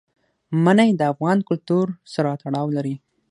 منی د افغان کلتور سره تړاو لري.